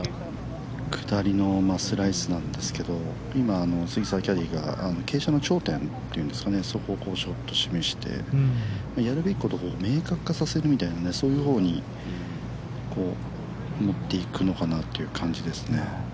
下りのスライスなんですけど、今、杉澤キャディーが傾斜の頂点っていうですかね、そこを示してやるべきことを明確化させるみたいな、そういうほうに持っていくのかなという感じですね。